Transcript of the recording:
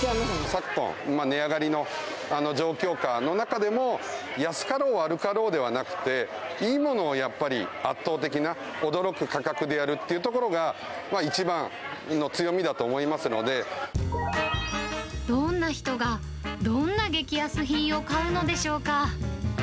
昨今、値上がりの状況下の中でも、安かろう悪かろうではなくて、いいものをやっぱり圧倒的な驚く価格でやるっていうところが一番どんな人が、どんな激安品を買うのでしょうか。